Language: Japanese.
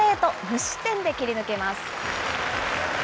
無失点で切り抜けます。